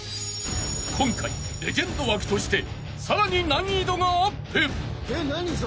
［今回レジェンド枠としてさらに難易度がアップ］